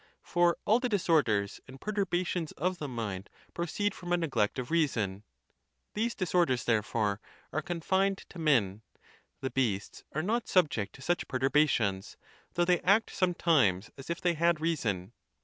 For all the disorders and perturbations of the mind proceed from a neglect of reason; these disorders, therefore, are confined to men: the beasts are not subject to such perturbations, though they act sometimes as if they had reason.